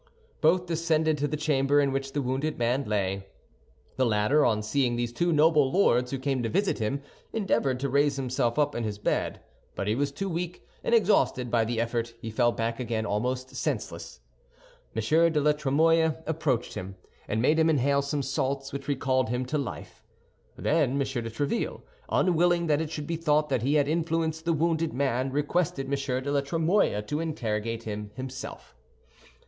Both descended to the chamber in which the wounded man lay. The latter, on seeing these two noble lords who came to visit him, endeavored to raise himself up in his bed; but he was too weak, and exhausted by the effort, he fell back again almost senseless. M. de la Trémouille approached him, and made him inhale some salts, which recalled him to life. Then M. de Tréville, unwilling that it should be thought that he had influenced the wounded man, requested M. de la Trémouille to interrogate him himself.